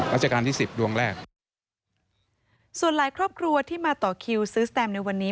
ราชการที่สิบดวงแรกส่วนหลายครอบครัวที่มาต่อคิวซื้อสแตมในวันนี้